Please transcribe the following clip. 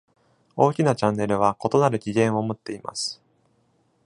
大きなチャネルは異なる起源を持っています。